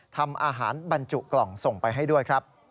ทำอาหารบรรจุกล่องส่งไปให้ด้วยครับ